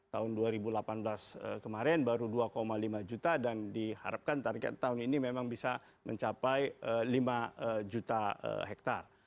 tahun dua ribu delapan belas kemarin baru dua lima juta dan diharapkan target tahun ini memang bisa mencapai lima juta hektare